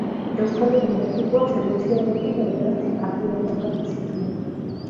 Euskal Herriko futbol selekzioarekin bederatzi partida jokatu zituen.